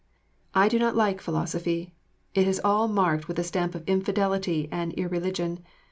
I do not like philosophy, it is all marked with the stamp of infidelity and irreligion.